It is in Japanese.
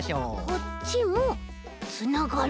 こっちもつながる。